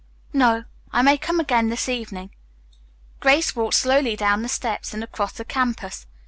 "No; I may come again this evening." Grace walked slowly down the steps and across the campus.